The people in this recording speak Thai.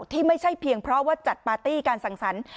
ที่ไม่ใช่เพียงเพราะว่าจัดปาร์ตี้การสั่งสรรค์